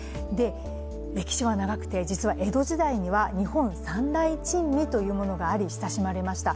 歴史は長くて、江戸時代には日本三大珍味というものがあり親しまれていました。